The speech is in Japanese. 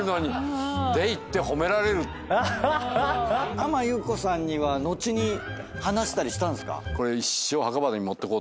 浜木綿子さんには後に話したりしたんすか？